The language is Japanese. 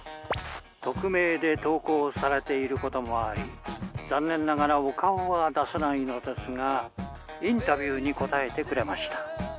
匿名で投稿されていることもあり残念ながらお顔は出せないのですがインタビューに答えてくれました」。